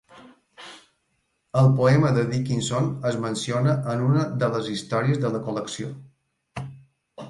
El poema de Dickinson es menciona en una de les històries de la col·lecció.